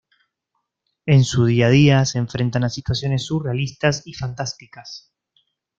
En su día a día, se enfrentan a situaciones surrealistas y fantásticas.